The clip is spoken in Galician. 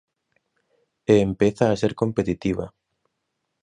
E empeza a ser competitiva.